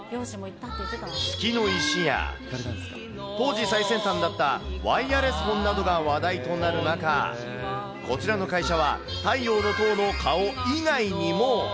月の石や、当時最先端だった、ワイヤレスホンなどが話題となる中、こちらの会社は、太陽の塔の顔以外にも。